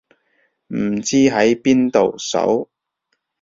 唔知喺邊度搜